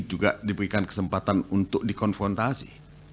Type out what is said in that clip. juga diberikan kesempatan untuk dikonfrontasi